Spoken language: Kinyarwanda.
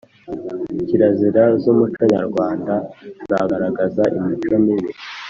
Kirazira z’umuconyarwanda zagaragaza imico mibi